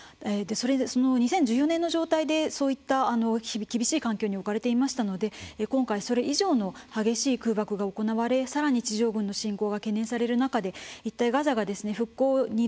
その２０１４年の状態でそういった厳しい環境に置かれていましたので今回それ以上の激しい空爆が行われさらに地上軍の侵攻が懸念される中で一体ガザが復興にどのぐらい時間がかかるのか。